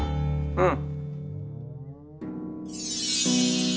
うん。